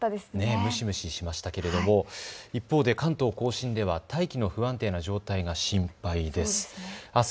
蒸し蒸ししましたけれども一方で関東甲信では大気の不安定な状態が心配です。